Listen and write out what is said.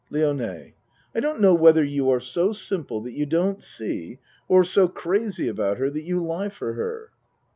LIONE I don't know whether you are so simple that you don't see or so crazy about her that you lie for her.